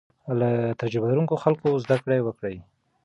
له تجربه لرونکو خلکو زده کړه وکړئ.